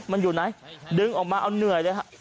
มันอยู่ไหนดึงออกมาเอาเหนื่อยเลยฮะ